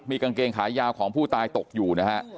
กางเกงขายาวของผู้ตายตกอยู่นะฮะ